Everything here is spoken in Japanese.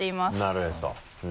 なるへそ。